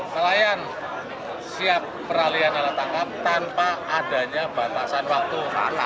nelayan siap peralihan alat tangkap tanpa adanya batasan waktu